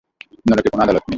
নরকে কোন আদালত নেই!